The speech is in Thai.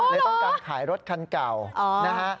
เลยต้องการขายรถคันเก่านะฮะ